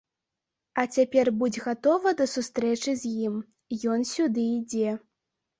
А цяпер будзь гатова да сустрэчы з ім, ён сюды ідзе.